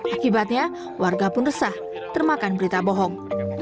akibatnya warga pun resah termakan berita bohong